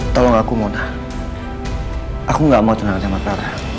tolong aku mona aku gak mau cendangan sama tata